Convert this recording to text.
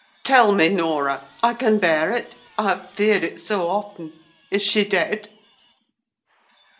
"Tell me, Norah—I can bear it—I have feared it so often. Is she dead?"